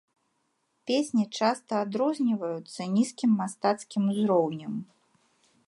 Песні часта адрозніваюцца нізкім мастацкім узроўнем.